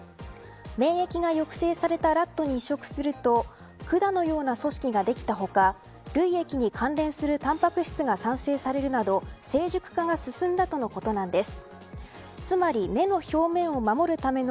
免疫が抑制されたラットに移植すると管のような組織ができた他涙液に関連するタンパク質が生成されるなど成熟化が進んだとのことなんです。